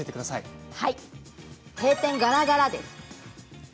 閉店ガラガラです。